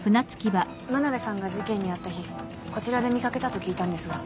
真鍋さんが事件に遭った日こちらで見掛けたと聞いたんですが。